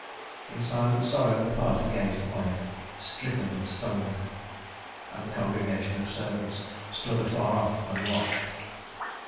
In silent sorrow the party gazed upon it, stricken and stunned. And the congregation of servants stood afar off and watched.